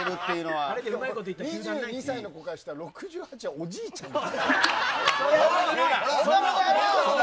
２２歳の人から６８はおじいちゃんや。